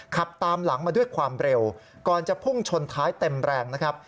ขับตามหลังมาด้วยความเร็วก่อนจะพุ่งชนท้ายเต็มแรงนะครับ